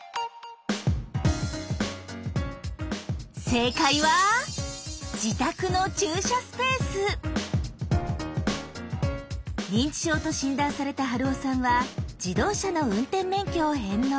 正解は自宅の認知症と診断された春雄さんは自動車の運転免許を返納。